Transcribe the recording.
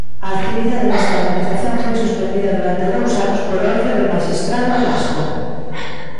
A actividade desta organización foi suspendida durante dous anos por orde do maxistrado Velasco.